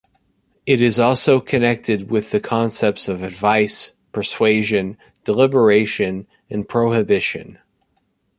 It is also connected with the concepts of advice, persuasion, deliberation, and prohibition.